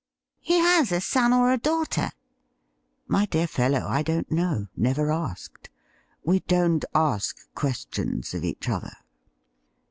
' He has a son or a daughter ?'' My dear fellow, I don't know — ^never asked. We don't ask questions of each other.'